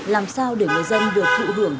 làm sao để người dân được thụ hưởng